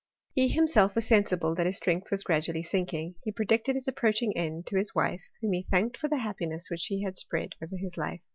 He himself was sensible that his strength was giadually sinking ; he predicted his ap proaching end to his wife, whom he thanked for the happiness which she had spread over his life.